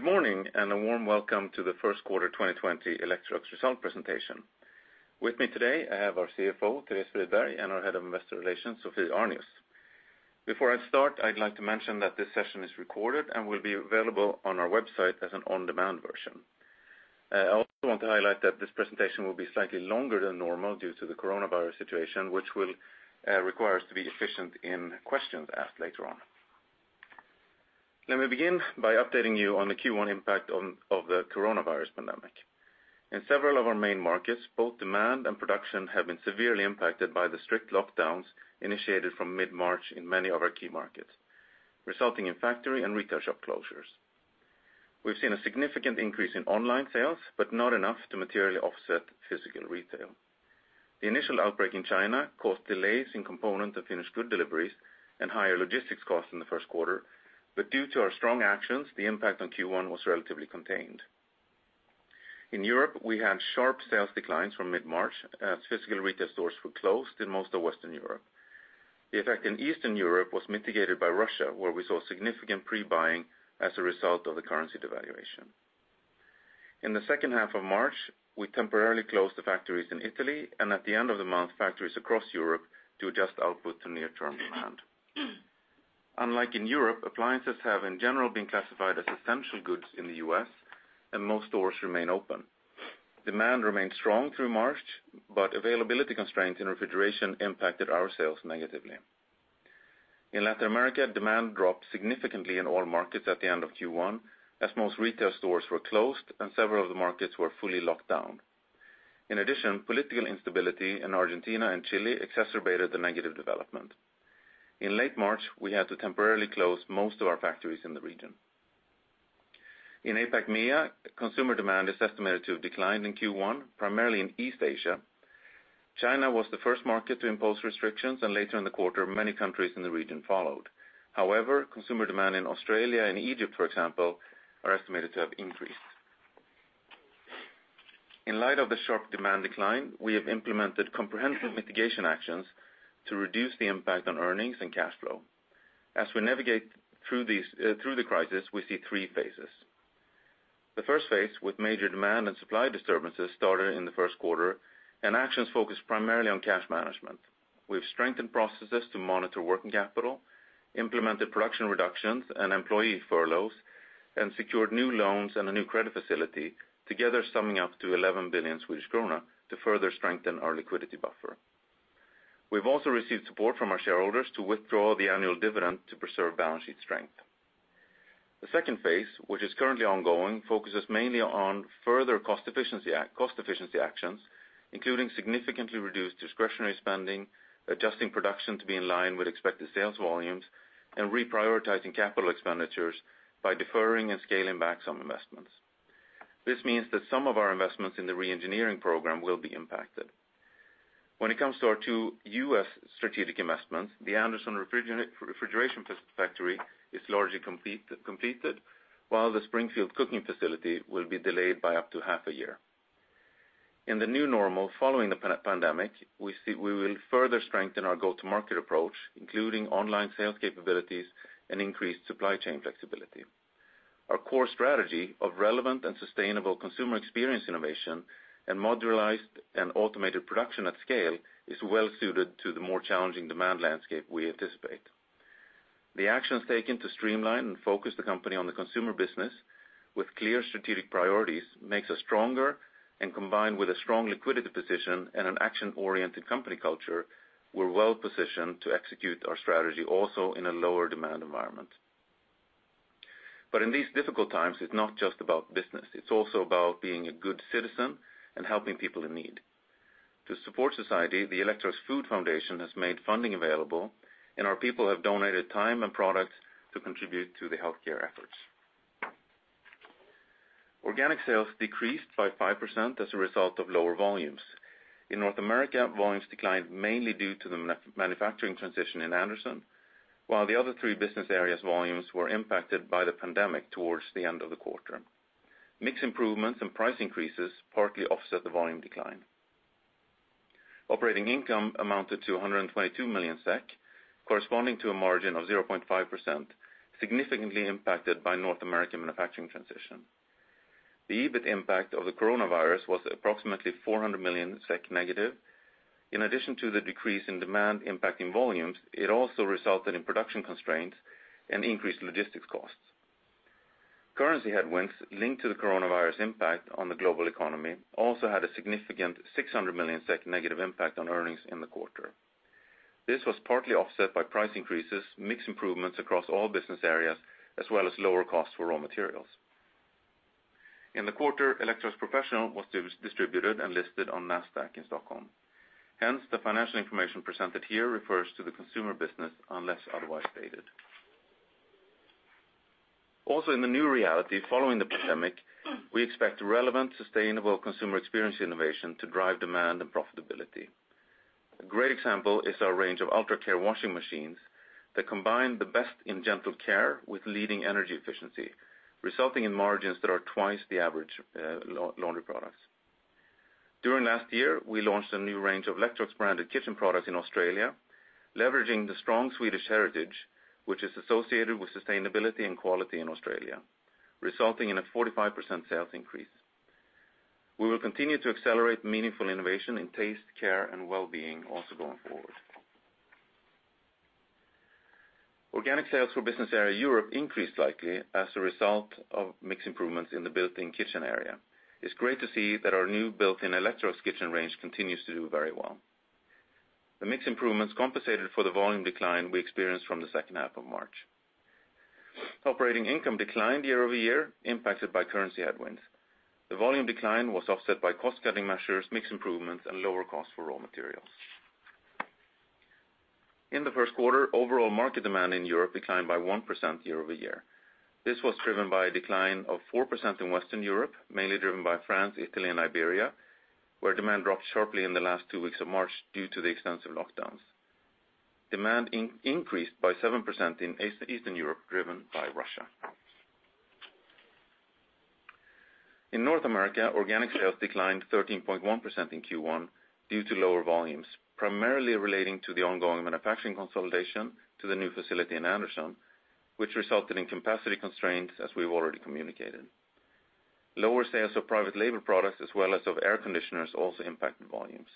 Good morning. A warm welcome to the first quarter 2020 Electrolux result presentation. With me today, I have our CFO, Therese Friberg, and our Head of Investor Relations, Sophie Arnius. Before I start, I'd like to mention that this session is recorded and will be available on our website as an on-demand version. I also want to highlight that this presentation will be slightly longer than normal due to the coronavirus situation, which will require us to be efficient in questions asked later on. Let me begin by updating you on the Q1 impact of the coronavirus pandemic. In several of our main markets, both demand and production have been severely impacted by the strict lockdowns initiated from mid-March in many of our key markets, resulting in factory and retail shop closures. We've seen a significant increase in online sales, but not enough to materially offset physical retail. The initial outbreak in China caused delays in component and finished good deliveries and higher logistics costs in the first quarter, due to our strong actions, the impact on Q1 was relatively contained. In Europe, we had sharp sales declines from mid-March as physical retail stores were closed in most of Western Europe. The effect in Eastern Europe was mitigated by Russia, where we saw significant pre-buying as a result of the currency devaluation. In the second half of March, we temporarily closed the factories in Italy, and at the end of the month, factories across Europe to adjust output to near-term demand. Unlike in Europe, appliances have in general been classified as essential goods in the U.S., and most stores remain open. Demand remained strong through March, availability constraints in refrigeration impacted our sales negatively. In Latin America, demand dropped significantly in all markets at the end of Q1, as most retail stores were closed and several of the markets were fully locked down. In addition, political instability in Argentina and Chile exacerbated the negative development. In late March, we had to temporarily close most of our factories in the region. In APAC-MEA, consumer demand is estimated to have declined in Q1, primarily in East Asia. China was the first market to impose restrictions, and later in the quarter, many countries in the region followed. However, consumer demand in Australia and Egypt, for example, are estimated to have increased. In light of the sharp demand decline, we have implemented comprehensive mitigation actions to reduce the impact on earnings and cash flow. As we navigate through the crisis, we see three phases. The first phase with major demand and supply disturbances started in the first quarter, and actions focused primarily on cash management. We've strengthened processes to monitor working capital, implemented production reductions and employee furloughs, and secured new loans and a new credit facility, together summing up to 11 billion Swedish krona to further strengthen our liquidity buffer. We've also received support from our shareholders to withdraw the annual dividend to preserve balance sheet strength. The second phase, which is currently ongoing, focuses mainly on further cost efficiency actions, including significantly reduced discretionary spending, adjusting production to be in line with expected sales volumes, and reprioritizing CapEx by deferring and scaling back some investments. This means that some of our investments in the re-engineering program will be impacted. When it comes to our two U.S. strategic investments, the Anderson Refrigeration factory is largely completed, while the Springfield cooking facility will be delayed by up to half a year. In the new normal following the pandemic, we will further strengthen our go-to-market approach, including online sales capabilities and increased supply chain flexibility. Our core strategy of relevant and sustainable consumer experience innovation and modularized and automated production at scale is well suited to the more challenging demand landscape we anticipate. The actions taken to streamline and focus the company on the consumer business with clear strategic priorities makes us stronger, and combined with a strong liquidity position and an action-oriented company culture, we're well-positioned to execute our strategy also in a lower demand environment. In these difficult times, it's not just about business. It's also about being a good citizen and helping people in need. To support society, the Electrolux Food Foundation has made funding available, and our people have donated time and products to contribute to the healthcare efforts. Organic sales decreased by 5% as a result of lower volumes. In North America, volumes declined mainly due to the manufacturing transition in Anderson, while the other three business areas' volumes were impacted by the pandemic towards the end of the quarter. Mix improvements and price increases partly offset the volume decline. Operating income amounted to 122 million SEK, corresponding to a margin of 0.5%, significantly impacted by North American manufacturing transition. The EBIT impact of the coronavirus was approximately -400 million SEK. In addition to the decrease in demand impacting volumes, it also resulted in production constraints and increased logistics costs. Currency headwinds linked to the coronavirus impact on the global economy also had a significant -600 million SEK impact on earnings in the quarter. This was partly offset by price increases, mix improvements across all business areas, as well as lower costs for raw materials. In the quarter, Electrolux Professional was distributed and listed on Nasdaq in Stockholm. Hence, the financial information presented here refers to the consumer business unless otherwise stated. Also, in the new reality following the pandemic, we expect relevant, sustainable consumer experience innovation to drive demand and profitability. A great example is our range of UltraCare washing machines that combine the best in gentle care with leading energy efficiency, resulting in margins that are twice the average laundry products. During last year, we launched a new range of Electrolux-branded kitchen products in Australia, leveraging the strong Swedish heritage, which is associated with sustainability and quality in Australia, resulting in a 45% sales increase. We will continue to accelerate meaningful innovation in taste, care, and wellbeing also going forward. Organic sales for business area Europe increased slightly as a result of mix improvements in the built-in kitchen area. It's great to see that our new built-in Electrolux kitchen range continues to do very well. The mix improvements compensated for the volume decline we experienced from the second half of March. Operating income declined year-over-year, impacted by currency headwinds. The volume decline was offset by cost-cutting measures, mix improvements, and lower cost for raw materials. In the first quarter, overall market demand in Europe declined by 1% year-over-year. This was driven by a decline of 4% in Western Europe, mainly driven by France, Italy, and Iberia, where demand dropped sharply in the last two weeks of March due to the extensive lockdowns. Demand increased by 7% in Eastern Europe, driven by Russia. In North America, organic sales declined 13.1% in Q1 due to lower volumes, primarily relating to the ongoing manufacturing consolidation to the new facility in Anderson, which resulted in capacity constraints, as we've already communicated. Lower sales of private label products as well as of air conditioners also impacted volumes.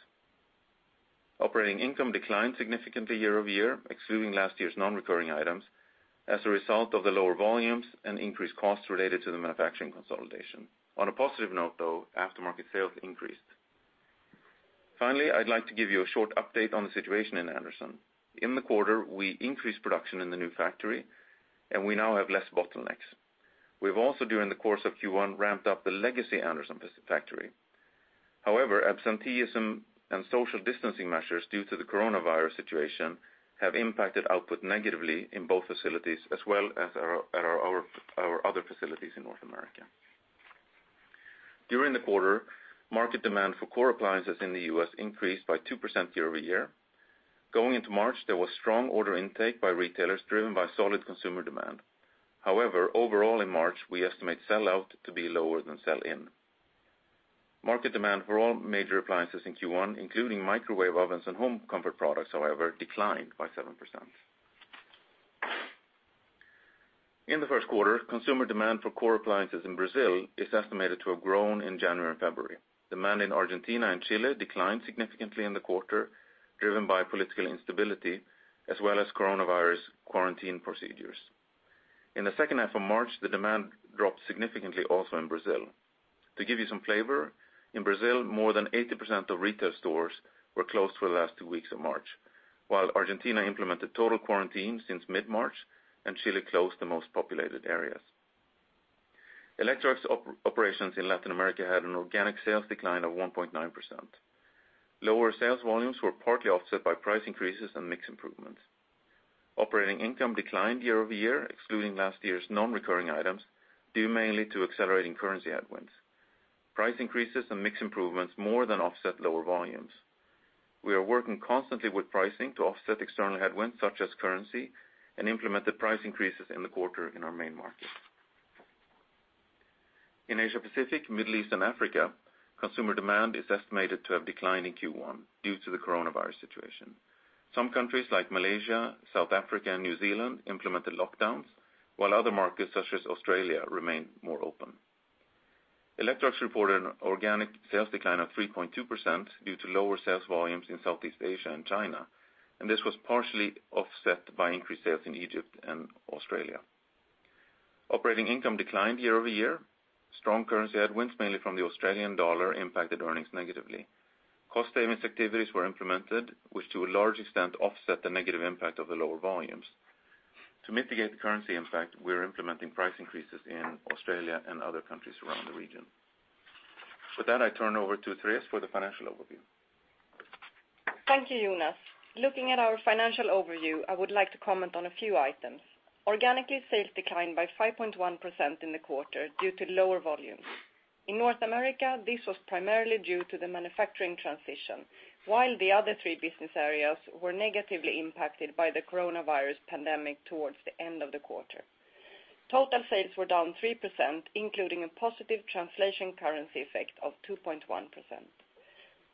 Operating income declined significantly year-over-year, excluding last year's non-recurring items, as a result of the lower volumes and increased costs related to the manufacturing consolidation. On a positive note, though, aftermarket sales increased. Finally, I'd like to give you a short update on the situation in Anderson. In the quarter, we increased production in the new factory, and we now have less bottlenecks. We've also, during the course of Q1, ramped up the legacy Anderson factory. However, absenteeism and social distancing measures due to the coronavirus situation have impacted output negatively in both facilities, as well as at our other facilities in North America. During the quarter, market demand for core appliances in the U.S. increased by 2% year-over-year. Going into March, there was strong order intake by retailers, driven by solid consumer demand. However, overall in March, we estimate sell-out to be lower than sell-in. Market demand for all major appliances in Q1, including microwave ovens and home comfort products, however, declined by 7%. In the first quarter, consumer demand for core appliances in Brazil is estimated to have grown in January and February. Demand in Argentina and Chile declined significantly in the quarter, driven by political instability as well as coronavirus quarantine procedures. In the second half of March, the demand dropped significantly also in Brazil. To give you some flavor, in Brazil, more than 80% of retail stores were closed for the last two weeks of March, while Argentina implemented total quarantine since mid-March, and Chile closed the most populated areas. Electrolux operations in Latin America had an organic sales decline of 1.9%. Lower sales volumes were partly offset by price increases and mix improvements. Operating income declined year-over-year, excluding last year's non-recurring items, due mainly to accelerating currency headwinds. Price increases and mix improvements more than offset lower volumes. We are working constantly with pricing to offset external headwinds such as currency and implemented price increases in the quarter in our main markets. In Asia Pacific, Middle East, and Africa, consumer demand is estimated to have declined in Q1 due to the coronavirus situation. Some countries like Malaysia, South Africa, and New Zealand implemented lockdowns, while other markets such as Australia remained more open. Electrolux reported an organic sales decline of 3.2% due to lower sales volumes in Southeast Asia and China, and this was partially offset by increased sales in Egypt and Australia. Operating income declined year-over-year. Strong currency headwinds, mainly from the Australian dollar, impacted earnings negatively. Cost savings activities were implemented, which to a large extent offset the negative impact of the lower volumes. To mitigate the currency impact, we are implementing price increases in Australia and other countries around the region. With that, I turn over to Therese for the financial overview. Thank you, Jonas. Looking at our financial overview, I would like to comment on a few items. Organically, sales declined by 5.1% in the quarter due to lower volumes. In North America, this was primarily due to the manufacturing transition, while the other three business areas were negatively impacted by the coronavirus pandemic towards the end of the quarter. Total sales were down 3%, including a positive translation currency effect of 2.1%.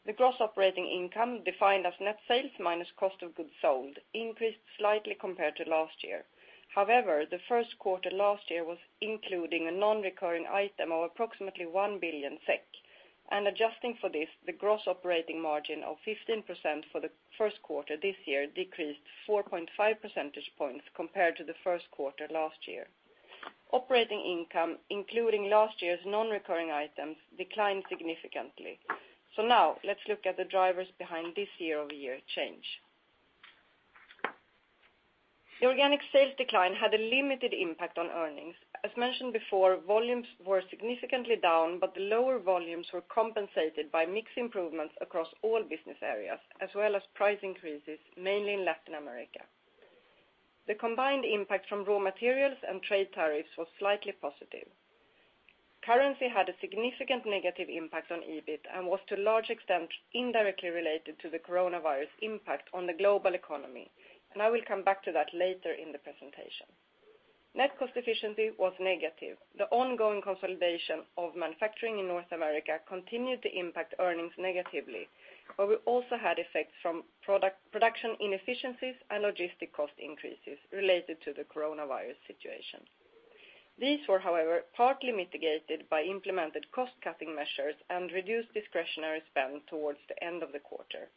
The gross operating income, defined as net sales minus cost of goods sold, increased slightly compared to last year. The first quarter last year was including a non-recurring item of approximately 1 billion SEK, and adjusting for this, the gross operating margin of 15% for the first quarter this year decreased 4.5 percentage points compared to the first quarter last year. Operating income, including last year's non-recurring items, declined significantly. Now, let's look at the drivers behind this year-over-year change. The organic sales decline had a limited impact on earnings. As mentioned before, volumes were significantly down, but the lower volumes were compensated by mix improvements across all business areas, as well as price increases, mainly in Latin America. The combined impact from raw materials and trade tariffs was slightly positive. Currency had a significant negative impact on EBIT and was to a large extent indirectly related to the coronavirus impact on the global economy. I will come back to that later in the presentation. Net cost efficiency was negative. The ongoing consolidation of manufacturing in North America continued to impact earnings negatively, but we also had effects from production inefficiencies and logistic cost increases related to the coronavirus situation. These were, however, partly mitigated by implemented cost-cutting measures and reduced discretionary spend towards the end of the quarter.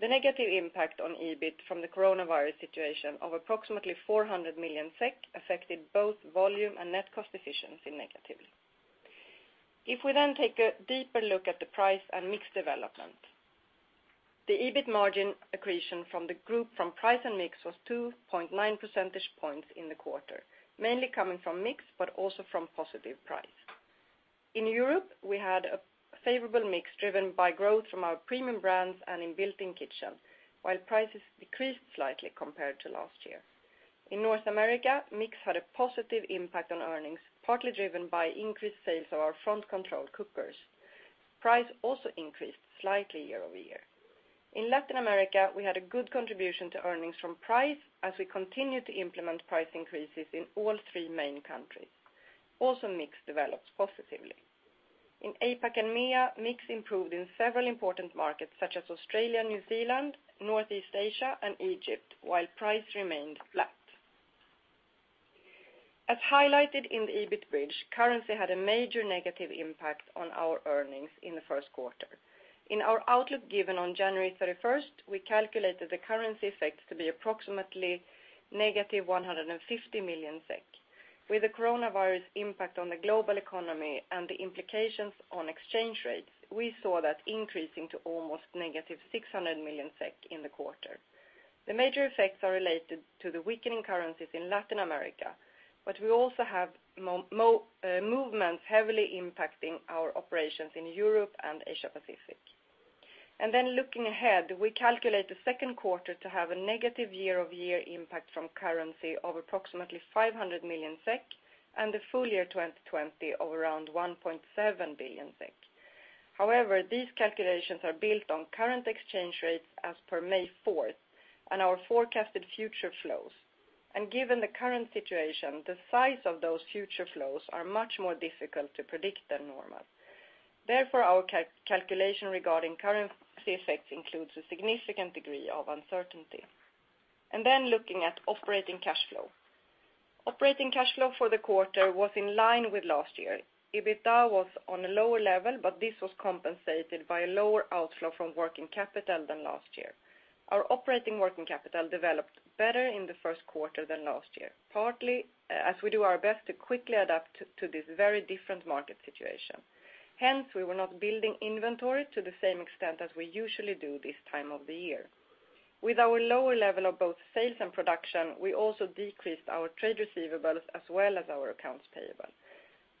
The negative impact on EBIT from the coronavirus situation of approximately 400 million SEK affected both volume and net cost efficiency negatively. If we take a deeper look at the price and mix development, the EBIT margin accretion from the group from price and mix was 2.9 percentage points in the quarter, mainly coming from mix but also from positive price. In Europe, we had a favorable mix driven by growth from our premium brands and in built-in kitchen, while prices decreased slightly compared to last year. In North America, mix had a positive impact on earnings, partly driven by increased sales of our front control cookers. Price also increased slightly year-over-year. In Latin America, we had a good contribution to earnings from price as we continued to implement price increases in all three main countries. Also, mix developed positively. In APAC and MEA, mix improved in several important markets such as Australia, New Zealand, Northeast Asia, and Egypt, while price remained flat. As highlighted in the EBIT bridge, currency had a major negative impact on our earnings in the first quarter. In our outlook given on January 31st, we calculated the currency effects to be approximately negative 150 million SEK. With the coronavirus impact on the global economy and the implications on exchange rates, we saw that increasing to almost negative 600 million SEK in the quarter. The major effects are related to the weakening currencies in Latin America. We also have movements heavily impacting our operations in Europe and Asia Pacific. Looking ahead, we calculate the second quarter to have a negative year-over-year impact from currency of approximately 500 million SEK and the full year 2020 of around 1.7 billion SEK. However, these calculations are built on current exchange rates as per May 4th and our forecasted future flows. Given the current situation, the size of those future flows are much more difficult to predict than normal. Therefore, our calculation regarding currency effects includes a significant degree of uncertainty. Looking at operating cash flow. Operating cash flow for the quarter was in line with last year. EBITDA was on a lower level, this was compensated by a lower outflow from working capital than last year. Our operating working capital developed better in the first quarter than last year, partly as we do our best to quickly adapt to this very different market situation. Hence, we were not building inventory to the same extent as we usually do this time of the year. With our lower level of both sales and production, we also decreased our trade receivables as well as our accounts payable.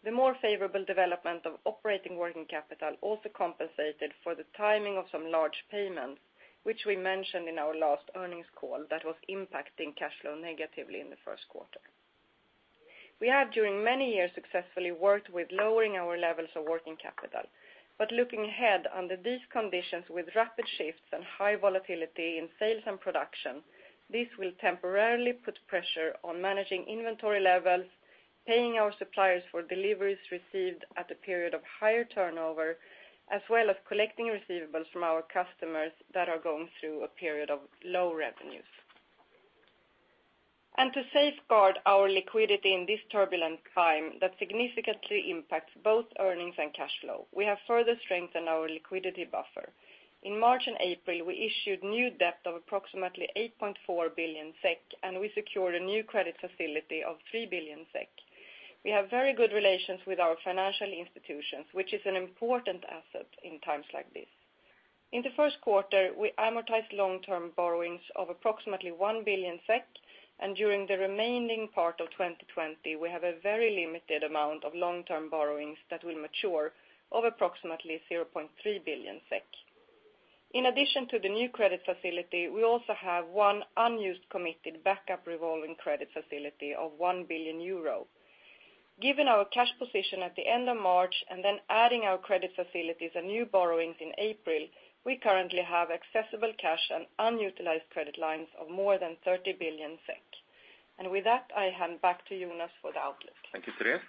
The more favorable development of operating working capital also compensated for the timing of some large payments, which we mentioned in our last earnings call that was impacting cash flow negatively in the first quarter. We have during many years successfully worked with lowering our levels of working capital. Looking ahead under these conditions with rapid shifts and high volatility in sales and production, this will temporarily put pressure on managing inventory levels, paying our suppliers for deliveries received at a period of higher turnover, as well as collecting receivables from our customers that are going through a period of low revenues. To safeguard our liquidity in this turbulent time that significantly impacts both earnings and cash flow, we have further strengthened our liquidity buffer. In March and April, we issued new debt of approximately 8.4 billion SEK, and we secured a new credit facility of 3 billion SEK. We have very good relations with our financial institutions, which is an important asset in times like this. In the first quarter, we amortized long-term borrowings of approximately 1 billion SEK, and during the remaining part of 2020, we have a very limited amount of long-term borrowings that will mature of approximately 0.3 billion SEK. In addition to the new credit facility, we also have one unused committed backup revolving credit facility of 1 billion euro. Given our cash position at the end of March and then adding our credit facilities and new borrowings in April, we currently have accessible cash and unutilized credit lines of more than 30 billion SEK. With that, I hand back to Jonas for the outlook. Thank you, Therese.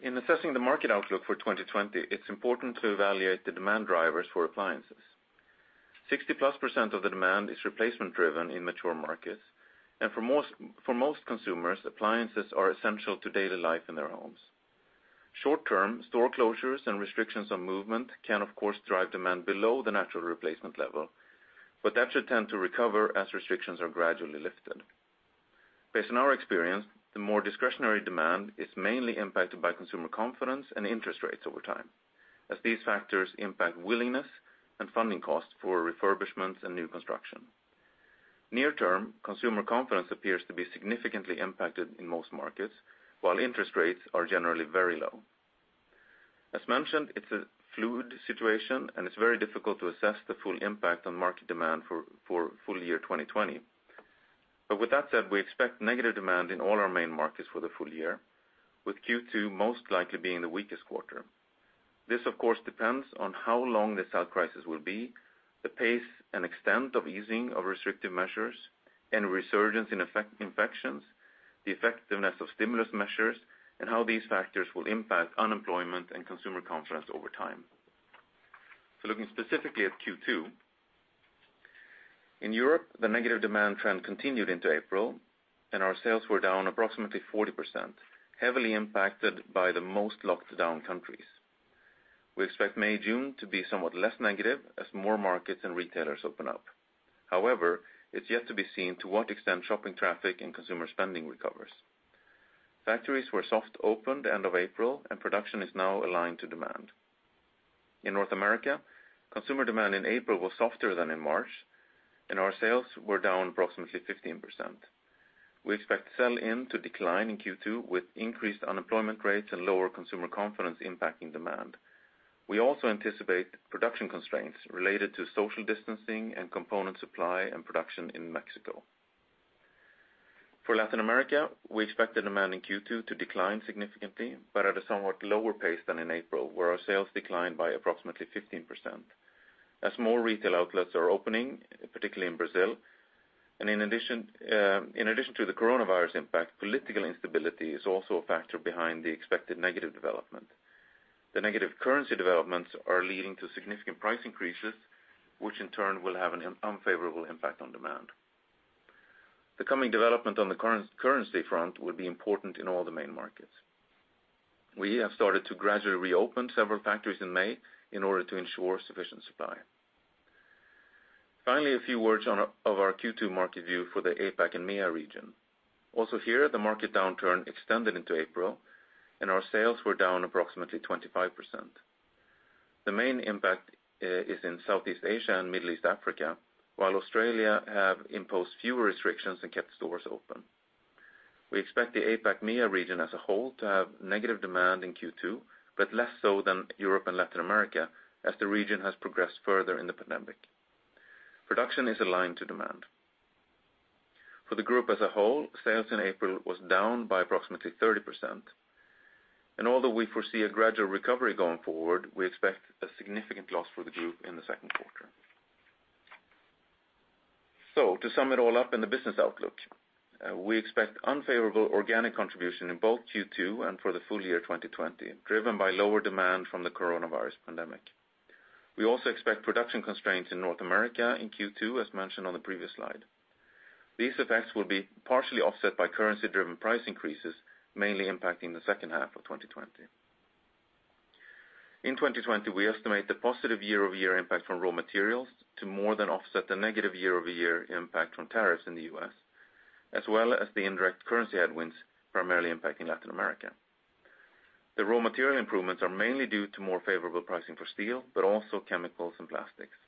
In assessing the market outlook for 2020, it's important to evaluate the demand drivers for appliances. 60 plus percent of the demand is replacement driven in mature markets, and for most consumers, appliances are essential to daily life in their homes. Short term, store closures and restrictions on movement can of course drive demand below the natural replacement level, but that should tend to recover as restrictions are gradually lifted. Based on our experience, the more discretionary demand is mainly impacted by consumer confidence and interest rates over time, as these factors impact willingness and funding costs for refurbishments and new construction. Near term, consumer confidence appears to be significantly impacted in most markets, while interest rates are generally very low. As mentioned, it's a fluid situation, and it's very difficult to assess the full impact on market demand for full year 2020. With that said, we expect negative demand in all our main markets for the full year, with Q2 most likely being the weakest quarter. This, of course, depends on how long this health crisis will be, the pace and extent of easing of restrictive measures and resurgence in infections, the effectiveness of stimulus measures, and how these factors will impact unemployment and consumer confidence over time. Looking specifically at Q2, in Europe, the negative demand trend continued into April, and our sales were down approximately 40%, heavily impacted by the most locked down countries. We expect May, June to be somewhat less negative as more markets and retailers open up. However, it's yet to be seen to what extent shopping traffic and consumer spending recovers. Factories were soft opened end of April, and production is now aligned to demand. In North America, consumer demand in April was softer than in March, and our sales were down approximately 15%. We expect sell-in to decline in Q2 with increased unemployment rates and lower consumer confidence impacting demand. We also anticipate production constraints related to social distancing and component supply and production in Mexico. For Latin America, we expect the demand in Q2 to decline significantly, but at a somewhat lower pace than in April, where our sales declined by approximately 15%. As more retail outlets are opening, particularly in Brazil, and in addition to the coronavirus impact, political instability is also a factor behind the expected negative development. The negative currency developments are leading to significant price increases, which in turn will have an unfavorable impact on demand. The coming development on the currency front will be important in all the main markets. We have started to gradually reopen several factories in May in order to ensure sufficient supply. Finally, a few words of our Q2 market view for the APAC and MEA region. Also here, the market downturn extended into April, and our sales were down approximately 25%. The main impact is in Southeast Asia and Middle East Africa, while Australia have imposed fewer restrictions and kept stores open. We expect the APAC, MEA region as a whole to have negative demand in Q2, but less so than Europe and Latin America as the region has progressed further in the pandemic. Production is aligned to demand. For the group as a whole, sales in April was down by approximately 30%. Although we foresee a gradual recovery going forward, we expect a significant loss for the group in the second quarter. To sum it all up in the business outlook, we expect unfavorable organic contribution in both Q2 and for the full year 2020, driven by lower demand from the coronavirus pandemic. We also expect production constraints in North America in Q2, as mentioned on the previous slide. These effects will be partially offset by currency driven price increases, mainly impacting the second half of 2020. In 2020, we estimate the positive year-over-year impact from raw materials to more than offset the negative year-over-year impact from tariffs in the U.S., as well as the indirect currency headwinds, primarily impacting Latin America. The raw material improvements are mainly due to more favorable pricing for steel, but also chemicals and plastics.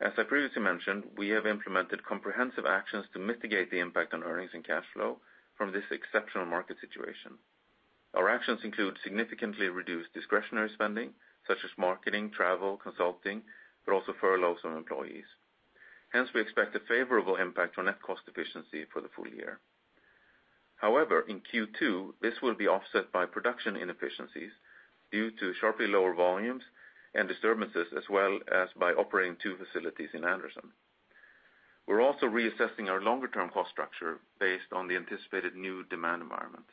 As I previously mentioned, we have implemented comprehensive actions to mitigate the impact on earnings and cash flow from this exceptional market situation. Our actions include significantly reduced discretionary spending, such as marketing, travel, consulting, but also furloughs on employees. Hence, we expect a favorable impact on net cost efficiency for the full year. However, in Q2, this will be offset by production inefficiencies due to sharply lower volumes and disturbances, as well as by operating two facilities in Anderson. We're also reassessing our longer term cost structure based on the anticipated new demand environment.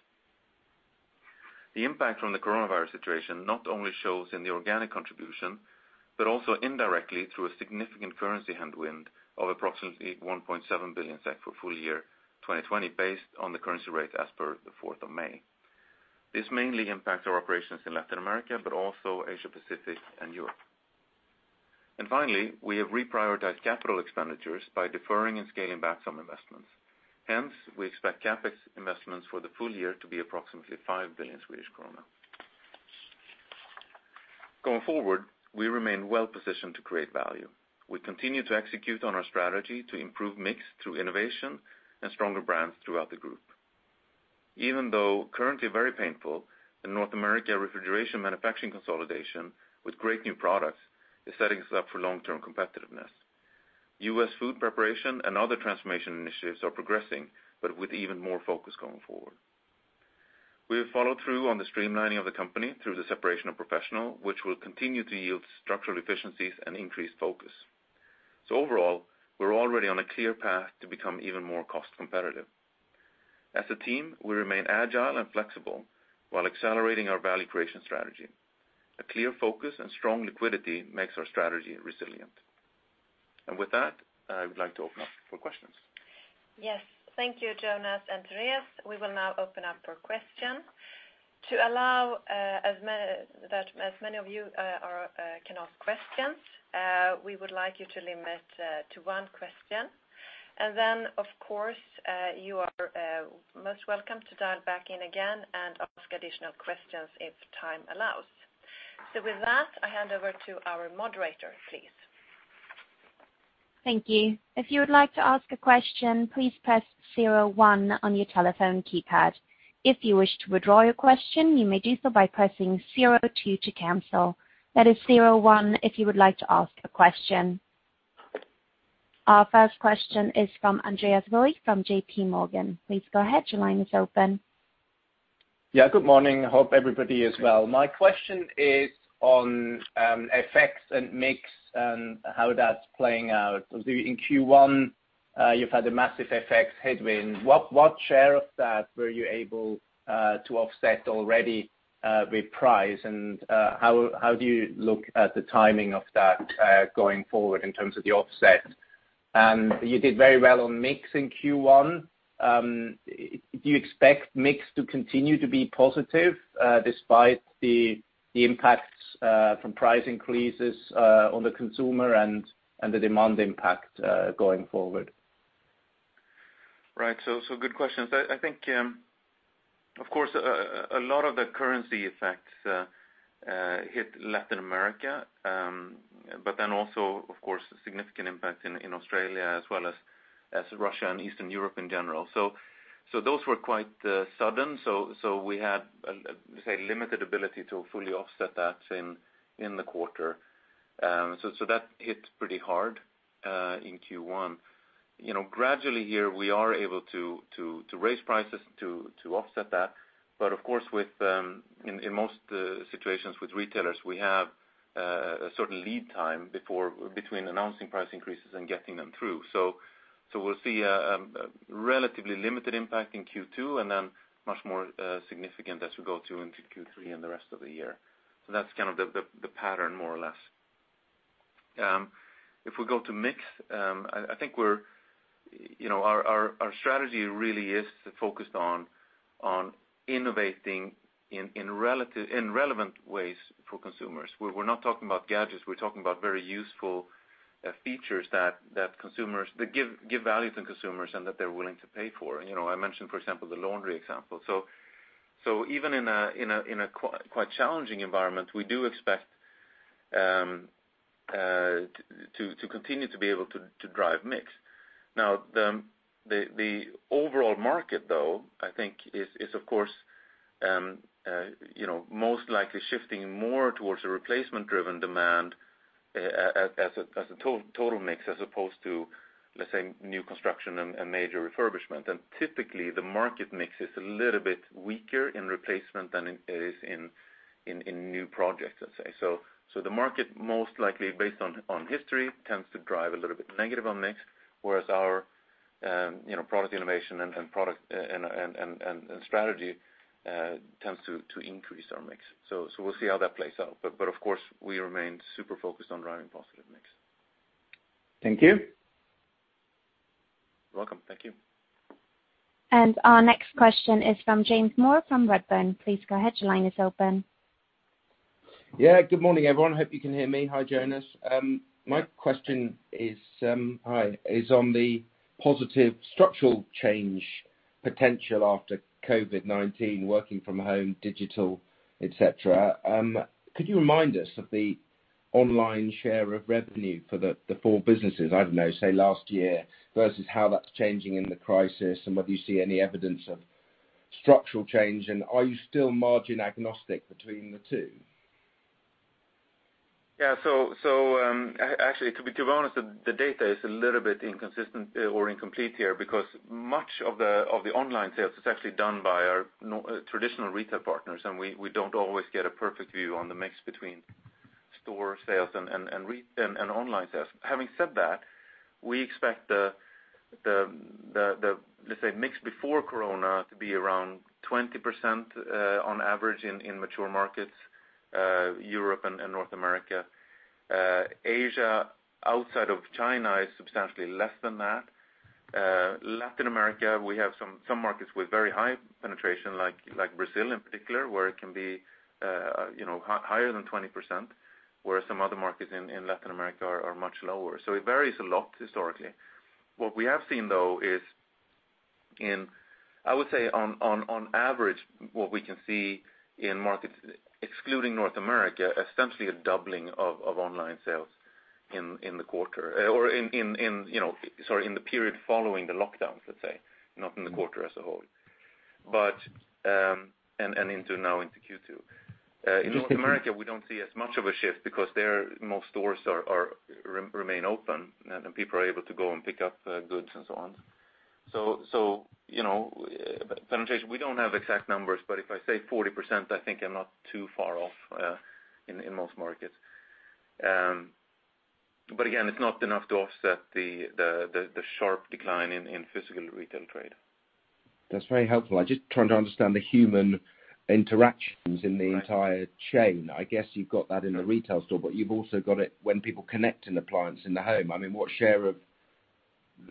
The impact from the coronavirus situation not only shows in the organic contribution, but also indirectly through a significant currency headwind of approximately 1.7 billion SEK for full year 2020, based on the currency rate as per the 4th of May. This mainly impacts our operations in Latin America, but also Asia Pacific and Europe. Finally, we have reprioritized capital expenditures by deferring and scaling back some investments. We expect CapEx investments for the full year to be approximately 5 billion Swedish krona. Going forward, we remain well-positioned to create value. We continue to execute on our strategy to improve mix through innovation and stronger brands throughout the group. Even though currently very painful, the North America refrigeration manufacturing consolidation with great new products is setting us up for long-term competitiveness. U.S. food preparation and other transformation initiatives are progressing, with even more focus going forward. We have followed through on the streamlining of the company through the separation of Professional, which will continue to yield structural efficiencies and increased focus. Overall, we're already on a clear path to become even more cost competitive. As a team, we remain agile and flexible while accelerating our value creation strategy. A clear focus and strong liquidity makes our strategy resilient. With that, I would like to open up for questions. Yes. Thank you, Jonas and Therese. We will now open up for questions. To allow that as many of you can ask questions, we would like you to limit to one question. Of course, you are most welcome to dial back in again and ask additional questions if time allows. With that, I hand over to our moderator, please. Thank you. If you would like to ask a question, please press zero one on your telephone keypad. If you wish to withdraw your question, you may do so by pressing zero two to cancel. That is zero one if you would like to ask a question. Our first question is from Andreas Roy from JPMorgan. Please go ahead. Your line is open. Yeah. Good morning. Hope everybody is well. My question is on FX and mix and how that's playing out. In Q1, you've had a massive FX headwind. What share of that were you able to offset already with price? How do you look at the timing of that, going forward in terms of the offset? You did very well on mix in Q1. Do you expect mix to continue to be positive, despite the impacts from price increases on the consumer and the demand impact, going forward? Right. Good questions. I think, of course, a lot of the currency effects hit Latin America, but then also, of course, a significant impact in Australia as well as Russia and Eastern Europe in general. Those were quite sudden. We had, let's say, limited ability to fully offset that in the quarter. That hit pretty hard in Q1. Gradually here we are able to raise prices to offset that. Of course in most situations with retailers, we have a certain lead time between announcing price increases and getting them through. We'll see a relatively limited impact in Q2 and then much more significant as we go through into Q3 and the rest of the year. That's kind of the pattern more or less. If we go to mix, I think our strategy really is focused on innovating in relevant ways for consumers. We're not talking about gadgets. We're talking about very useful features that give value to consumers and that they're willing to pay for. I mentioned, for example, the laundry example. Even in a quite challenging environment, we do expect to continue to be able to drive mix. The overall market, though, I think is, of course, most likely shifting more towards a replacement-driven demand as a total mix, as opposed to, let's say, new construction and major refurbishment. Typically, the market mix is a little bit weaker in replacement than it is in new projects, let's say. The market most likely based on history tends to drive a little bit negative on mix, whereas our product innovation and strategy tends to increase our mix. We'll see how that plays out. Of course, we remain super focused on driving positive mix. Thank you. You're welcome. Thank you. Our next question is from James Moore from Redburn. Please go ahead. Your line is open. Yeah. Good morning, everyone. Hope you can hear me. Hi, Jonas. My question is on the positive structural change potential after COVID-19, working from home, digital, et cetera. Could you remind us of the online share of revenue for the four businesses, I don't know, say, last year versus how that's changing in the crisis and whether you see any evidence of structural change, and are you still margin agnostic between the two? Yeah. Actually to be honest, the data is a little bit inconsistent or incomplete here because much of the online sales is actually done by our traditional retail partners, and we don't always get a perfect view on the mix between store sales and online sales. Having said that, we expect the, let's say, mix before Corona to be around 20% on average in mature markets, Europe and North America. Asia, outside of China, is substantially less than that. Latin America, we have some markets with very high penetration like Brazil in particular, where it can be higher than 20%, whereas some other markets in Latin America are much lower. It varies a lot historically. What we have seen, though, is in, I would say, on average what we can see in markets excluding North America, essentially a doubling of online sales in the quarter or in the period following the lockdowns, let's say, not in the quarter as a whole, and into now into Q2. In North America, we don't see as much of a shift because there most stores remain open, and people are able to go and pick up goods and so on. Penetration, we don't have exact numbers, but if I say 40%, I think I'm not too far off in most markets. Again, it's not enough to offset the sharp decline in physical retail trade. That's very helpful. I'm just trying to understand the human interactions in the entire chain. I guess you've got that in a retail store, but you've also got it when people connect an appliance in the home. I mean, what share of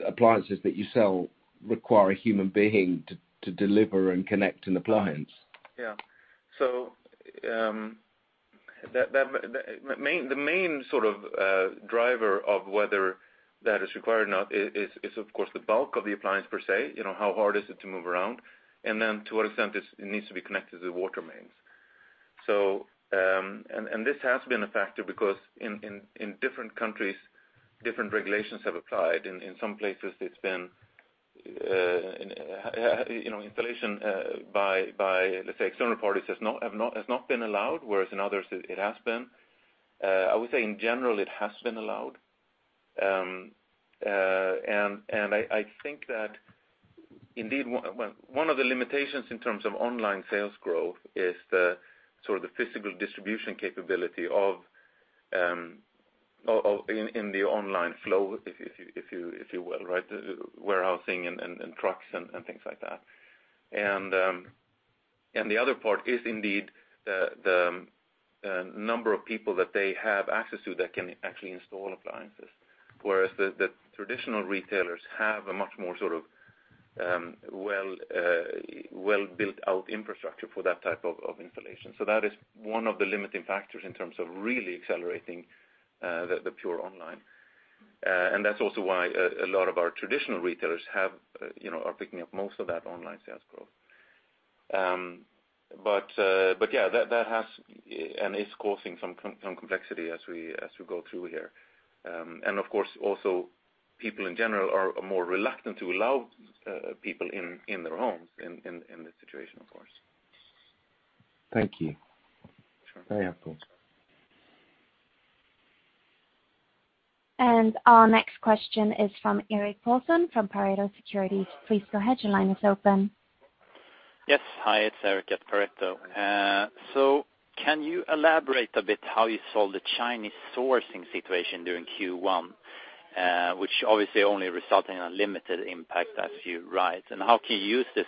appliances that you sell require a human being to deliver and connect an appliance? The main driver of whether that is required or not is, of course, the bulk of the appliance per se, how hard is it to move around? Then to what extent it needs to be connected to water mains. This has been a factor because in different countries, different regulations have applied. In some places it's been installation by, let's say, external parties has not been allowed, whereas in others it has been. I would say in general it has been allowed. I think that indeed, one of the limitations in terms of online sales growth is the physical distribution capability in the online flow, if you will, right? The warehousing and trucks and things like that. The other part is indeed the number of people that they have access to that can actually install appliances. Whereas the traditional retailers have a much more well built out infrastructure for that type of installation. That is one of the limiting factors in terms of really accelerating the pure online. That's also why a lot of our traditional retailers are picking up most of that online sales growth. Yeah, that has and is causing some complexity as we go through here. Of course, also people in general are more reluctant to allow people in their homes in this situation, of course. Thank you. Sure. Very helpful. Our next question is from Erik Paulsson from Pareto Securities. Please go ahead. Your line is open. Yes. Hi, it's Erik at Pareto. Can you elaborate a bit how you saw the Chinese sourcing situation during Q1, which obviously only resulting in a limited impact as you write? And how can you use this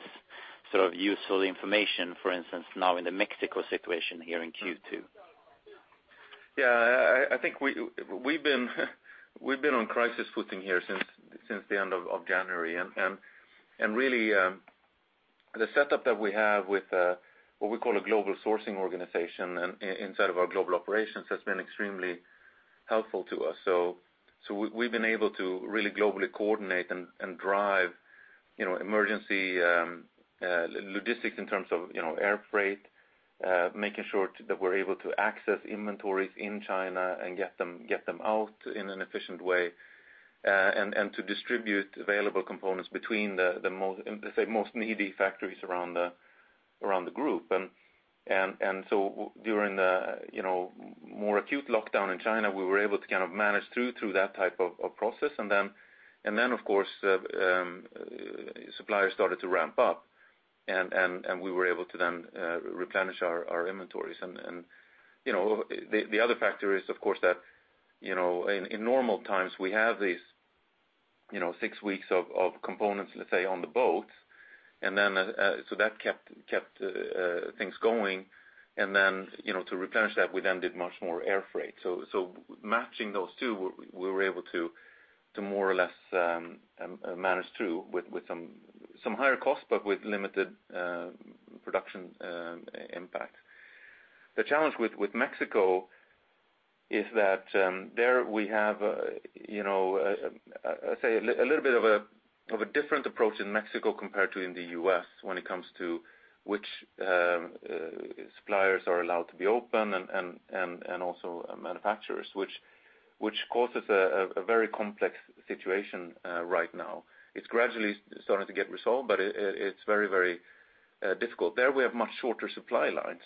useful information, for instance, now in the Mexico situation here in Q2? Yeah, I think we've been on crisis footing here since the end of January. Really, the setup that we have with what we call a global sourcing organization inside of our global operations has been extremely helpful to us. We've been able to really globally coordinate and drive emergency logistics in terms of air freight, making sure that we're able to access inventories in China and get them out in an efficient way, and to distribute available components between the most needy factories around the group. During the more acute lockdown in China, we were able to manage through that type of process. Then, of course, suppliers started to ramp up, and we were able to then replenish our inventories. The other factor is, of course, that in normal times, we have these six weeks of components, let's say, on the boat. That kept things going. Then to replenish that, we then did much more air freight. Matching those two, we were able to more or less manage through with some higher cost, but with limited production impact. The challenge with Mexico is that there we have, let's say, a little bit of a different approach in Mexico compared to in the U.S. when it comes to which suppliers are allowed to be open and also manufacturers, which causes a very complex situation right now. It's gradually starting to get resolved, but it's very difficult there. We have much shorter supply lines.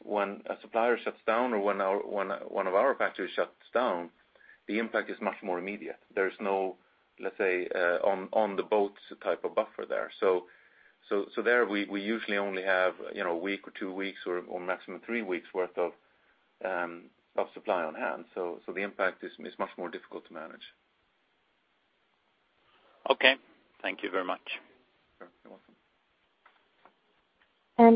When a supplier shuts down or when one of our factories shuts down, the impact is much more immediate. There is no, let's say, on-the-boat type of buffer there. There we usually only have a week or two weeks or maximum three weeks worth of supply on hand. The impact is much more difficult to manage. Okay. Thank you very much. You're welcome.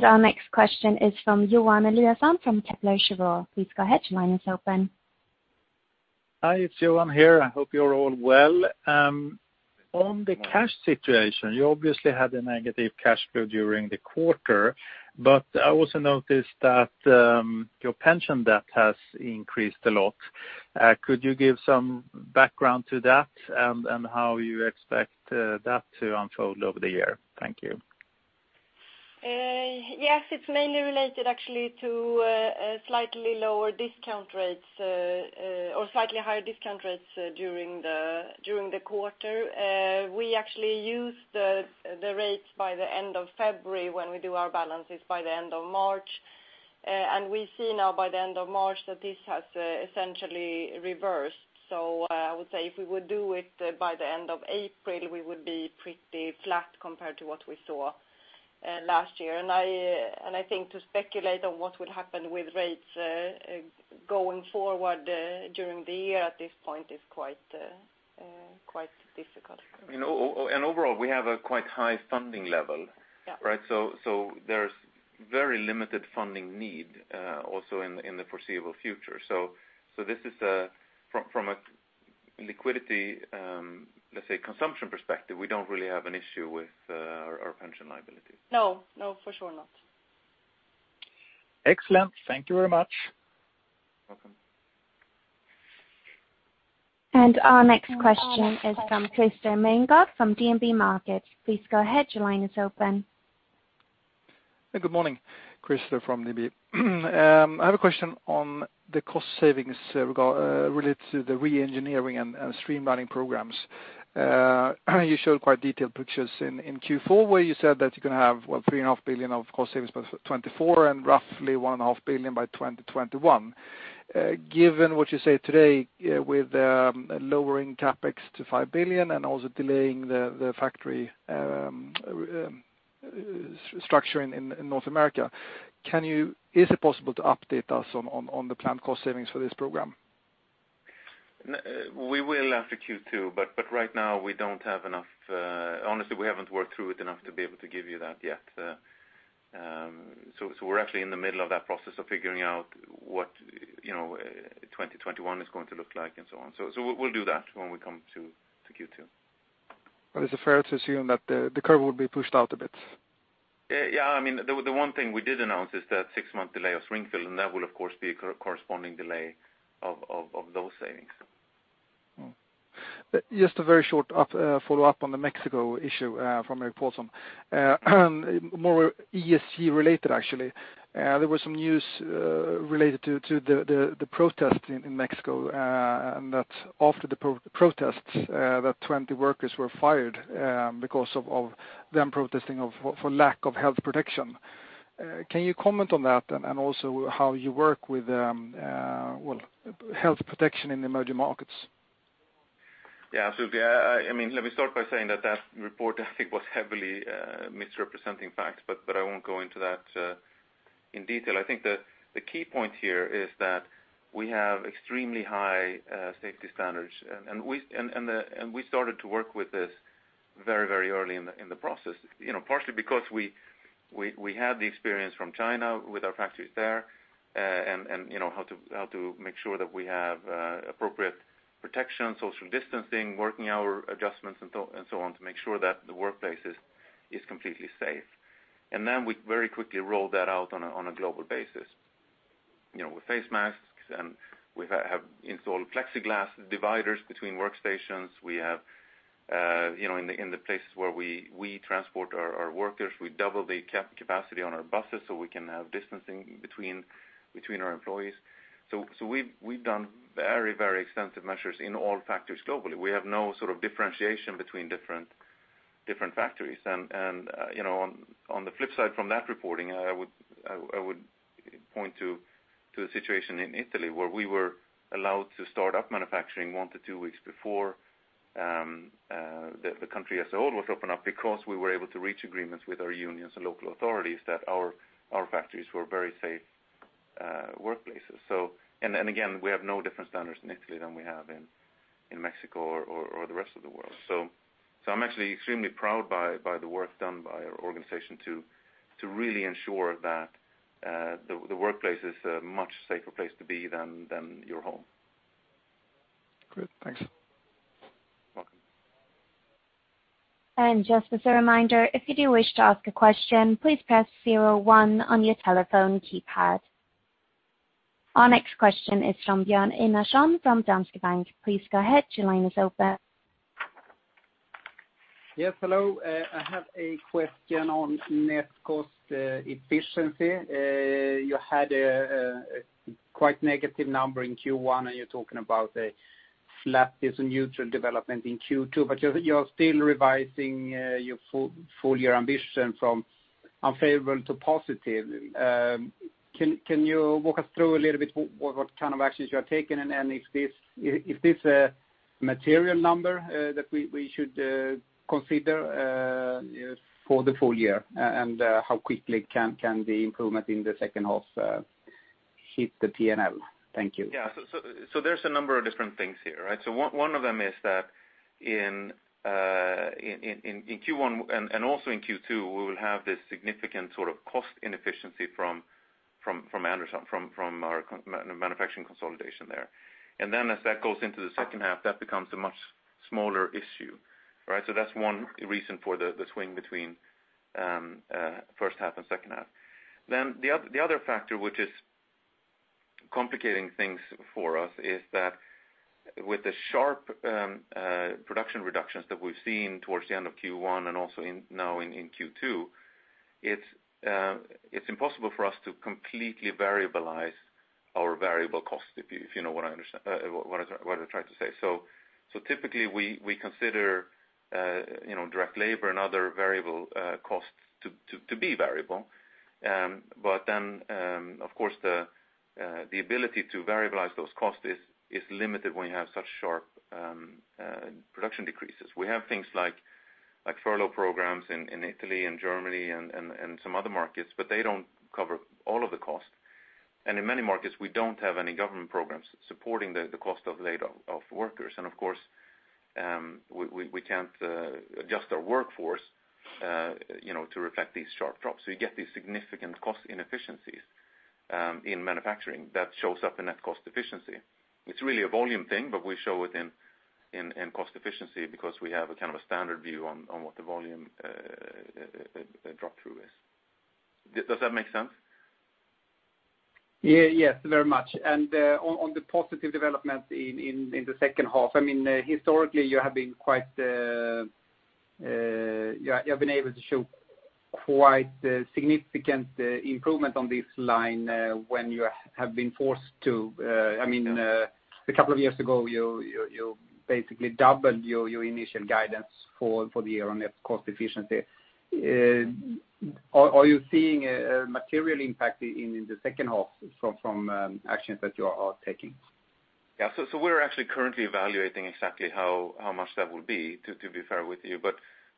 Our next question is from Johan Eliason from Kepler Cheuvreux. Please go ahead. Your line is open. Hi, it's Johan here. I hope you're all well. On the cash situation, you obviously had a negative cash flow during the quarter. I also noticed that your pension debt has increased a lot. Could you give some background to that and how you expect that to unfold over the year? Thank you. Yes. It's mainly related actually to slightly lower discount rates or slightly higher discount rates during the quarter. We actually use the rates by the end of February when we do our balances by the end of March. We see now by the end of March that this has essentially reversed. I would say if we would do it by the end of April, we would be pretty flat compared to what we saw last year. I think to speculate on what will happen with rates going forward during the year at this point is quite difficult. Overall, we have a quite high funding level. Yeah. There's very limited funding need also in the foreseeable future. This is from a liquidity, let's say, consumption perspective, we don't really have an issue with our pension liability. No, for sure not. Excellent. Thank you very much. Welcome. Our next question is from Christer Magnergård from DNB Markets. Please go ahead. Your line is open. Good morning. Christer from DNB. I have a question on the cost savings related to the re-engineering and streamlining programs. You showed quite detailed pictures in Q4, where you said that you're going to have 3.5 billion of cost savings by 2024 and roughly 1.5 billion by 2021. Given what you say today with lowering CapEx to 5 billion and also delaying the factory restructuring in North America, is it possible to update us on the planned cost savings for this program? We will after Q2, but right now, honestly, we haven't worked through it enough to be able to give you that yet. We're actually in the middle of that process of figuring out what 2021 is going to look like and so on. We'll do that when we come to Q2. Is it fair to assume that the curve will be pushed out a bit? Yeah. The one thing we did announce is that six-month delay of Springfield, and that will, of course, be a corresponding delay of those savings. Just a very short follow-up on the Mexico issue from Erik Paulsson. More ESG related, actually. There was some news related to the protest in Mexico, and that after the protests, that 20 workers were fired because of them protesting for lack of health protection. Can you comment on that, and also how you work with health protection in emerging markets? Yeah, absolutely. Let me start by saying that that report, I think was heavily misrepresenting facts. I won't go into that in detail. I think the key point here is that we have extremely high safety standards. We started to work with this very early in the process. Partially because we had the experience from China with our factories there. How to make sure that we have appropriate protection, social distancing, working hour adjustments, and so on to make sure that the workplace is completely safe. We very quickly rolled that out on a global basis. With face masks. We have installed plexiglass dividers between workstations. In the places where we transport our workers, we double the capacity on our buses so we can have distancing between our employees. We've done very extensive measures in all factories globally. We have no sort of differentiation between different factories. On the flip side from that reporting, I would point to the situation in Italy, where we were allowed to start up manufacturing one to two weeks before the country as a whole was opened up because we were able to reach agreements with our unions and local authorities that our factories were very safe workplaces. Again, we have no different standards in Italy than we have in Mexico or the rest of the world. I'm actually extremely proud by the work done by our organization to really ensure that the workplace is a much safer place to be than your home. Great. Thanks. Welcome. Just as a reminder, if you do wish to ask a question, please press 01 on your telephone keypad. Our next question is from Björn Enarson with Danske Bank. Please go ahead. Your line is open. Yes. Hello. I have a question on net cost efficiency. You had a quite negative number in Q1, and you're talking about a flat to neutral development in Q2, but you're still revising your full year ambition from unfavorable to positive. Can you walk us through a little bit what kind of actions you are taking? Is this a material number that we should consider for the full year? How quickly can the improvement in the second half hit the P&L. Thank you. There's a number of different things here. One of them is that in Q1 and also in Q2, we will have this significant sort of cost inefficiency from our manufacturing consolidation there. As that goes into the second half, that becomes a much smaller issue. That's one reason for the swing between first half and second half. The other factor which is complicating things for us is that with the sharp production reductions that we've seen towards the end of Q1 and also now in Q2, it's impossible for us to completely variabilize our variable cost, if you know what I tried to say. Typically, we consider direct labor and other variable costs to be variable. Of course, the ability to variabilize those costs is limited when you have such sharp production decreases. We have things like furlough programs in Italy and Germany and some other markets, but they don't cover all of the cost. In many markets, we don't have any government programs supporting the cost of labor of workers. Of course, we can't adjust our workforce to reflect these sharp drops. You get these significant cost inefficiencies in manufacturing that shows up in net cost efficiency. It's really a volume thing, but we show it in cost efficiency because we have a kind of a standard view on what the volume drop through is. Does that make sense? Yes, very much. On the positive development in the second half, historically, you have been able to show quite significant improvement on this line when you have been forced to. A couple of years ago, you basically doubled your initial guidance for the year on cost efficiency. Are you seeing a material impact in the second half from actions that you are taking? Yeah. We're actually currently evaluating exactly how much that will be, to be fair with you.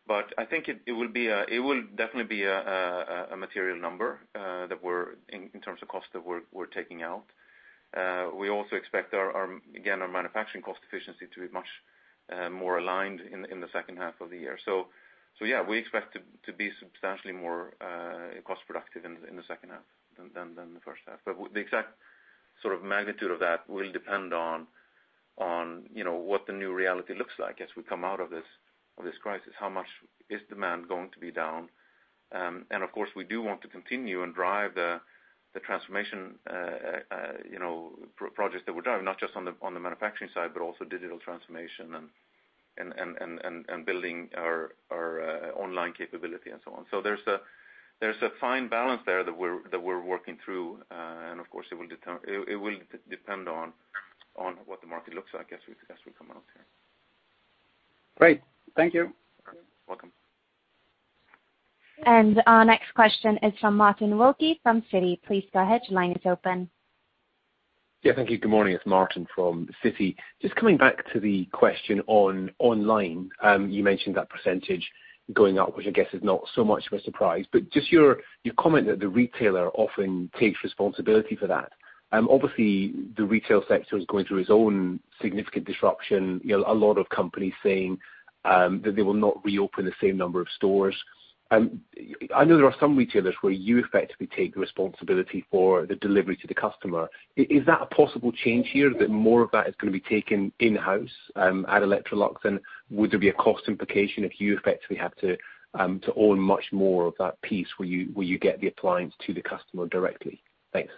I think it will definitely be a material number in terms of cost that we're taking out. We also expect, again, our manufacturing cost efficiency to be much more aligned in the second half of the year. Yeah, we expect to be substantially more cost-productive in the second half than the first half. The exact magnitude of that will depend on what the new reality looks like as we come out of this crisis. How much is demand going to be down? Of course, we do want to continue and drive the transformation projects that we're driving, not just on the manufacturing side, but also digital transformation and building our online capability and so on. There's a fine balance there that we're working through. Of course, it will depend on what the market looks like as we come out here. Great. Thank you. You're welcome. Our next question is from Martin Wilkie from Citi. Please go ahead, your line is open. Yeah, thank you. Good morning. It's Martin from Citi. Just coming back to the question on online. You mentioned that percentage going up, which I guess is not so much of a surprise, but just your comment that the retailer often takes responsibility for that. Obviously, the retail sector is going through its own significant disruption. A lot of companies saying, that they will not reopen the same number of stores. I know there are some retailers where you effectively take the responsibility for the delivery to the customer. Is that a possible change here, that more of that is going to be taken in-house at Electrolux, and would there be a cost implication if you effectively have to own much more of that piece where you get the appliance to the customer directly? Thanks.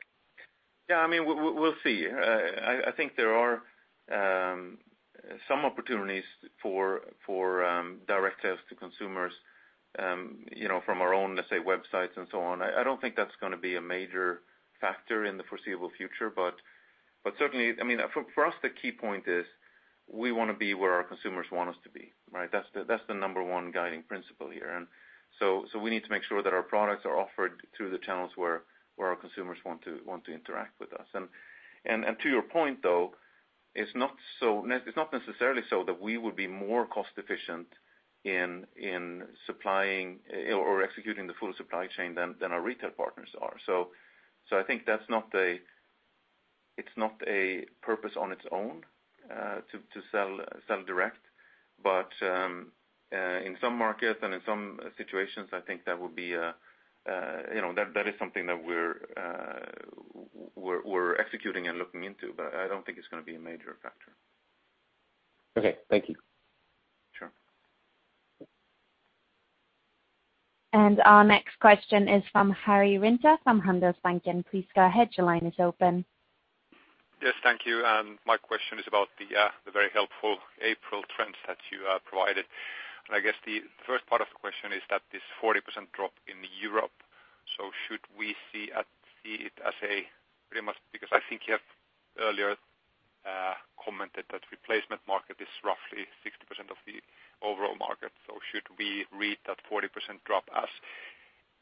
Yeah, we'll see. I think there are some opportunities for direct sales to consumers, from our own, let's say, websites and so on. I don't think that's going to be a major factor in the foreseeable future. Certainly, for us, the key point is we want to be where our consumers want us to be, right? That's the number one guiding principle here. We need to make sure that our products are offered through the channels where our consumers want to interact with us. To your point, though, it's not necessarily so that we would be more cost-efficient in supplying or executing the full supply chain than our retail partners are. I think that it's not a purpose on its own, to sell direct. In some markets and in some situations, I think that is something that we're executing and looking into. I don't think it's going to be a major factor. Okay. Thank you. Sure. Our next question is from Karri Rinta from Handelsbanken. Please go ahead. Your line is open. Yes. Thank you. My question is about the very helpful April trends that you provided. I guess the first part of the question is that this 40% drop in Europe, so should we see it as a pretty much, because I think you have earlier commented that replacement market is roughly 60% of the overall market. Should we read that 40% drop as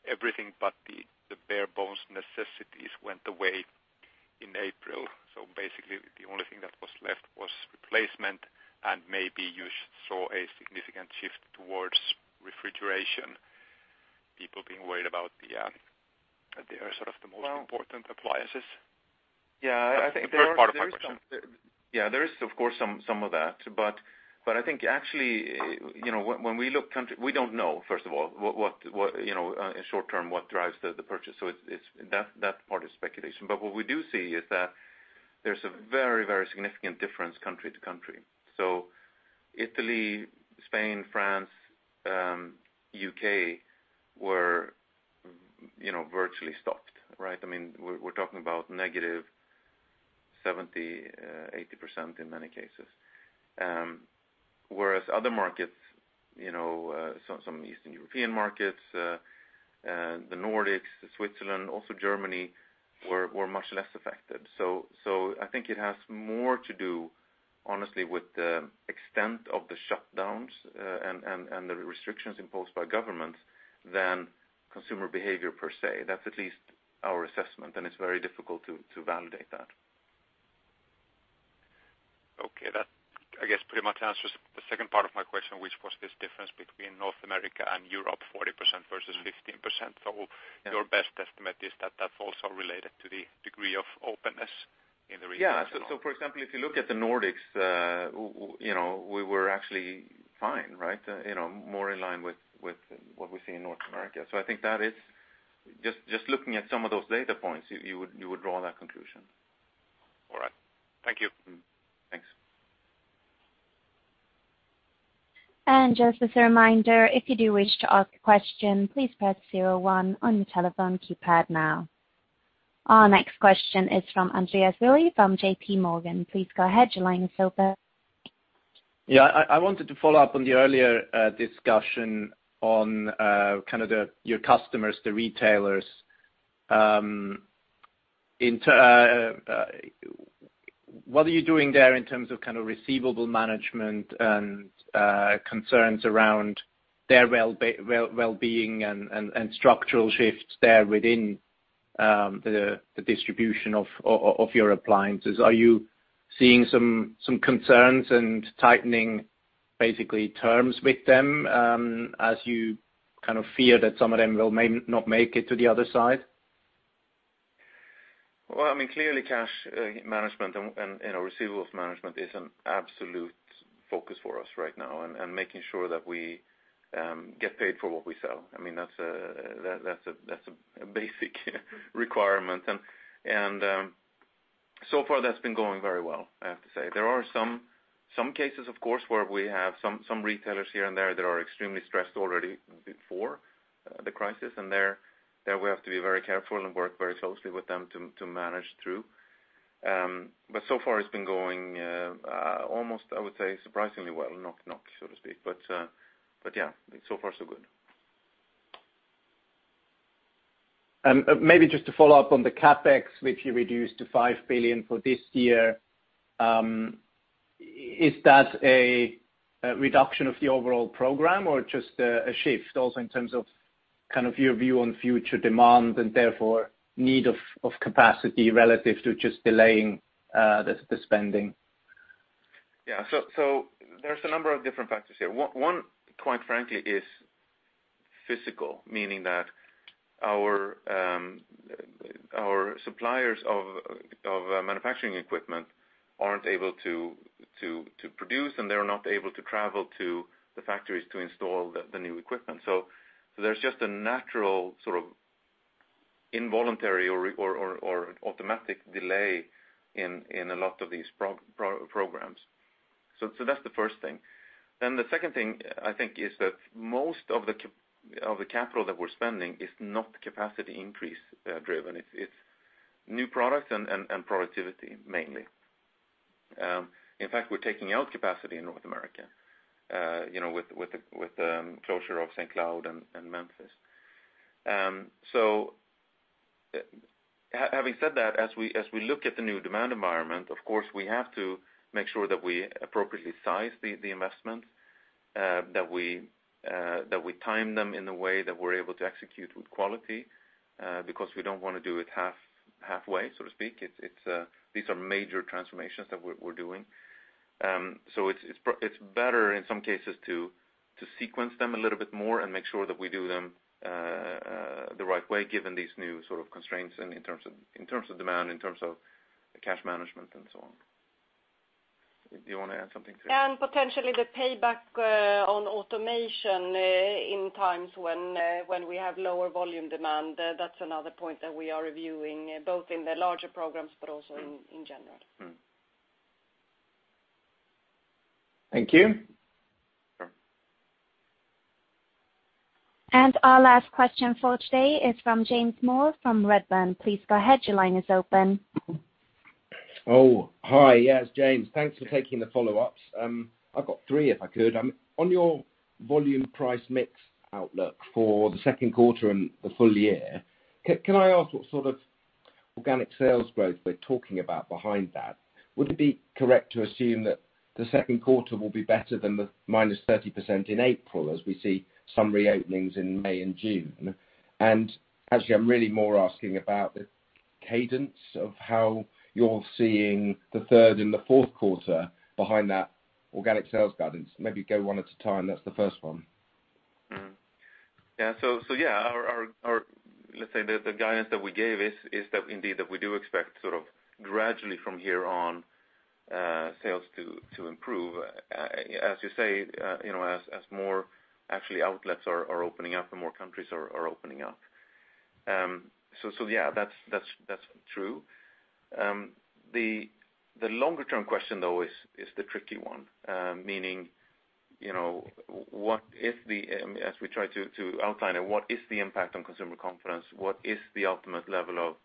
everything but the bare bones necessities went away in April? Basically, the only thing that was left was replacement, and maybe you saw a significant shift towards refrigeration, people being worried about the sort of the most important appliances. Yeah, I think. The first part of my question. There is of course, some of that. I think actually, we don't know, first of all, in short term, what drives the purchase. That part is speculation. What we do see is that there's a very significant difference country to country. Italy, Spain, France, U.K., were virtually stopped, right? We're talking about negative 70%-80% in many cases. Whereas other markets, some Eastern European markets, the Nordics, Switzerland, also Germany, were much less affected. I think it has more to do, honestly, with the extent of the shutdowns and the restrictions imposed by governments than consumer behavior per se. That's at least our assessment, and it's very difficult to validate that. Okay. That, I guess, pretty much answers the second part of my question, which was this difference between North America and Europe, 40% versus 15%. Your best estimate is that that's also related to the degree of openness in the region? Yeah. For example, if you look at the Nordics, we were actually fine, right? More in line with what we see in North America. I think just looking at some of those data points, you would draw that conclusion. All right. Thank you. Just as a reminder, if you do wish to ask a question, please press zero one on your telephone keypad now. Our next question is from Andreas Willi from JPMorgan. Please go ahead. Your line is open. Yeah. I wanted to follow up on the earlier discussion on your customers, the retailers. What are you doing there in terms of receivable management and concerns around their wellbeing and structural shifts there within the distribution of your appliances? Are you seeing some concerns and tightening, basically, terms with them, as you fear that some of them will not make it to the other side? Clearly cash management and receivables management is an absolute focus for us right now, and making sure that we get paid for what we sell. That's a basic requirement. So far that's been going very well, I have to say. There are some cases, of course, where we have some retailers here and there that are extremely stressed already before the crisis. There we have to be very careful and work very closely with them to manage through. So far it's been going almost, I would say, surprisingly well. Knock, knock, so to speak. Yeah, so far so good. Maybe just to follow up on the CapEx, which you reduced to 5 billion for this year. Is that a reduction of the overall program or just a shift also in terms of your view on future demand, and therefore need of capacity relative to just delaying the spending? Yeah. There's a number of different factors here. One, quite frankly, is physical, meaning that our suppliers of manufacturing equipment aren't able to produce, and they're not able to travel to the factories to install the new equipment. There's just a natural involuntary or automatic delay in a lot of these programs. That's the first thing. The second thing, I think, is that most of the capital that we're spending is not capacity increase driven. It's new products and productivity mainly. In fact, we're taking out capacity in North America with the closure of St. Cloud and Memphis. Having said that, as we look at the new demand environment, of course, we have to make sure that we appropriately size the investment, that we time them in a way that we're able to execute with quality, because we don't want to do it halfway, so to speak. These are major transformations that we're doing. It's better in some cases to sequence them a little bit more and make sure that we do them the right way, given these new sort of constraints in terms of demand, in terms of cash management and so on. Do you want to add something, Cecilia? Potentially the payback on automation in times when we have lower volume demand. That's another point that we are reviewing, both in the larger programs, but also in general. Thank you. Our last question for today is from James Moore from Redburn. Please go ahead. Your line is open. Oh, hi. Yes, James. Thanks for taking the follow-ups. I've got three, if I could. On your volume price mix outlook for the second quarter and the full year, can I ask what sort of organic sales growth we're talking about behind that? Would it be correct to assume that the second quarter will be better than the -30% in April, as we see some reopenings in May and June? Actually, I'm really more asking about the cadence of how you're seeing the third and the fourth quarter behind that organic sales guidance. Maybe go one at a time. That's the first one. Yeah. Let's say the guidance that we gave is that indeed that we do expect gradually from here on sales to improve, as you say, as more actually outlets are opening up and more countries are opening up. Yeah, that's true. The longer-term question, though, is the tricky one, meaning as we try to outline it, what is the impact on consumer confidence? What is the ultimate level of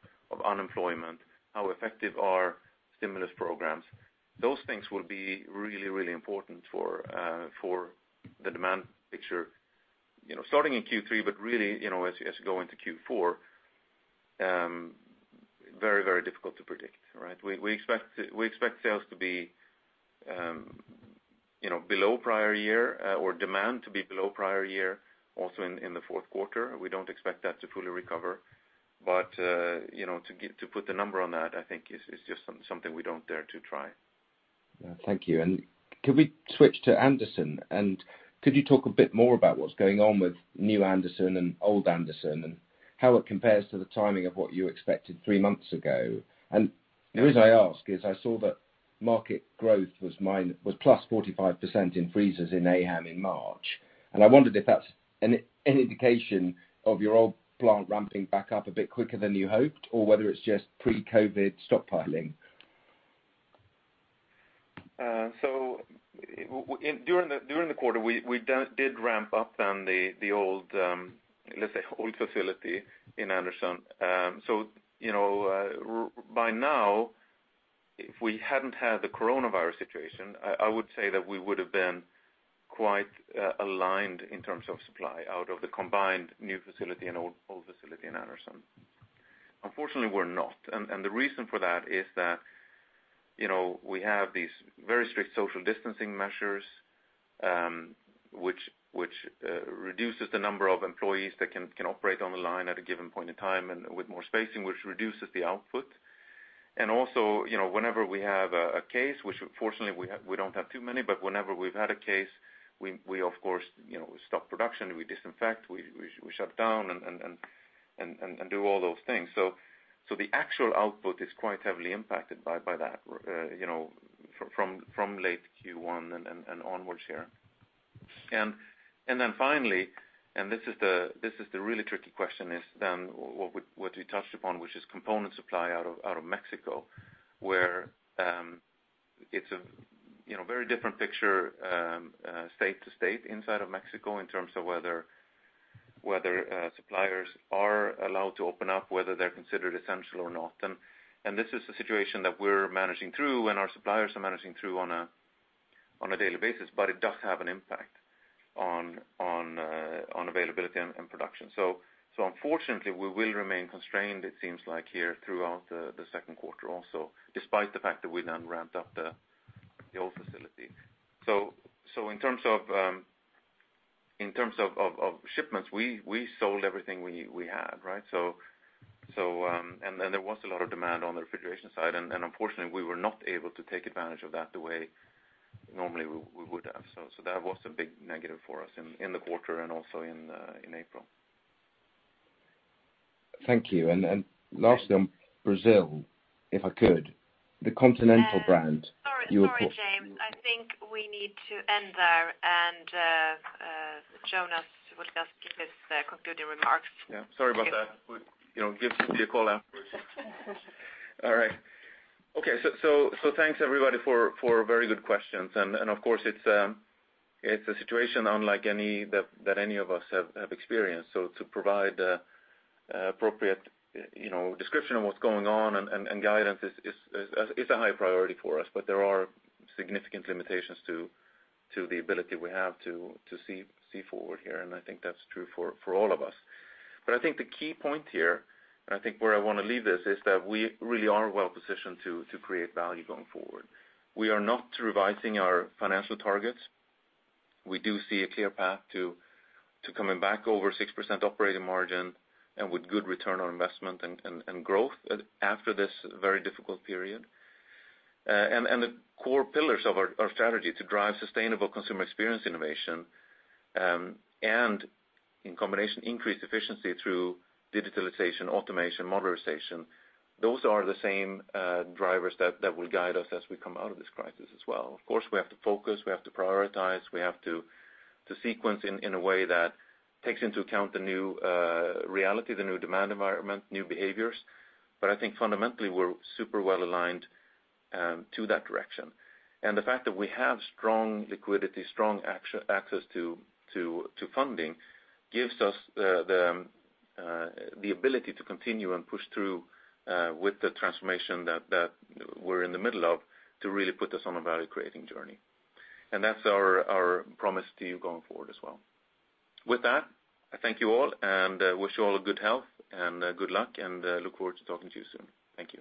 unemployment? How effective are stimulus programs? Those things will be really, really important for the demand picture starting in Q3 but really as you go into Q4. Very, very difficult to predict, right? We expect sales to be below prior year or demand to be below prior year also in the fourth quarter. We don't expect that to fully recover. To put the number on that, I think is just something we don't dare to try. Thank you. Could we switch to Anderson? Could you talk a bit more about what's going on with new Anderson and old Anderson, and how it compares to the timing of what you expected three months ago? The reason I ask is I saw that market growth was +45% in freezers in AHAM in March, and I wondered if that's any indication of your old plant ramping back up a bit quicker than you hoped, or whether it's just pre-COVID stockpiling? During the quarter, we did ramp up the old, let's say, old facility in Anderson. By now, if we hadn't had the coronavirus situation, I would say that we would've been quite aligned in terms of supply out of the combined new facility and old facility in Anderson. Unfortunately, we're not, and the reason for that is that we have these very strict social distancing measures, which reduces the number of employees that can operate on the line at a given point in time, and with more spacing, which reduces the output. Also, whenever we have a case, which fortunately we don't have too many, but whenever we've had a case, we of course, stop production, we disinfect, we shut down, and do all those things. The actual output is quite heavily impacted by that from late Q1 and onwards here. Finally, and this is the really tricky question, is then what we touched upon, which is component supply out of Mexico, where it's a very different picture state to state inside of Mexico in terms of whether suppliers are allowed to open up, whether they're considered essential or not. This is the situation that we're managing through and our suppliers are managing through on a daily basis, but it does have an impact on availability and production. Unfortunately, we will remain constrained, it seems like, here throughout the second quarter also, despite the fact that we then ramped up the old facility. In terms of shipments, we sold everything we had, right? There was a lot of demand on the refrigeration side, and unfortunately, we were not able to take advantage of that the way normally we would have. That was a big negative for us in the quarter and also in April. Thank you. Then lastly, on Brazil, if I could, the Continental brand. Sorry, James. I think we need to end there and Jonas will just give his concluding remarks. Yeah. Sorry about that. Give me a call afterwards. All right. Okay. Thanks everybody for very good questions. Of course, it's a situation unlike any that any of us have experienced. To provide appropriate description of what's going on and guidance is a high priority for us. There are significant limitations to the ability we have to see forward here, and I think that's true for all of us. I think the key point here, and I think where I want to leave this, is that we really are well-positioned to create value going forward. We are not revising our financial targets. We do see a clear path to coming back over 6% operating margin and with good return on investment and growth after this very difficult period. The core pillars of our strategy to drive sustainable consumer experience innovation, and in combination, increase efficiency through digitalization, automation, modernization, those are the same drivers that will guide us as we come out of this crisis as well. Of course, we have to focus, we have to prioritize, we have to sequence in a way that takes into account the new reality, the new demand environment, new behaviors. I think fundamentally, we're super well-aligned to that direction. The fact that we have strong liquidity, strong access to funding gives us the ability to continue and push through with the transformation that we're in the middle of to really put us on a value-creating journey. That's our promise to you going forward as well. With that, I thank you all and wish you all a good health and good luck and look forward to talking to you soon. Thank you.